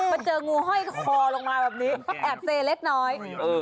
เจองูห้อยคอลงมาแบบนี้แอบเซเล็กน้อย